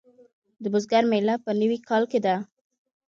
د بزګر میله په نوي کال کې ده.